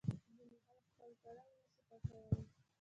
ځینې خلک خپل ګړنګ نه شي پاکولای.